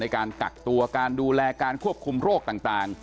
การกักตัวการดูแลการควบคุมโรคต่าง